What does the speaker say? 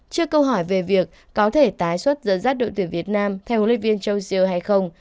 trước câu hỏi về việc có thể tái xuất dẫn dắt đội tuyển việt nam theo hồn luyện viên jozier hay không